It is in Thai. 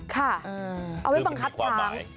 ค่ะเอาไว้บังคับช้าง